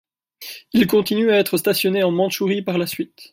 Il continue à être stationné en Mandchourie par la suite.